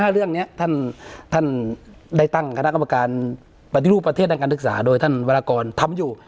เรื่องนี้ท่านได้ตั้งคณะกรรมการปฏิรูปประเทศด้านการศึกษาโดยท่านวรากรทำอยู่